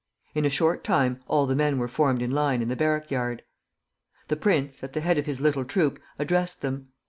In a short time all the men were formed in line in the barrack yard. The prince, at the head of his little troop, addressed them.